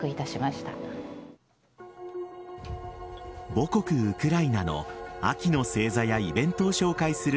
母国・ウクライナの秋の星座やイベントを紹介する